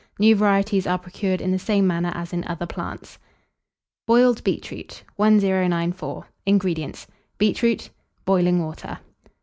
New varieties are procured in the same manner as in other plants. BOILED BEETROOT. 1094. INGREDIENTS, Beetroot; boiling water.